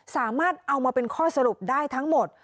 สามารถเอามาเป็นข้อสรุปได้ทั้งหมด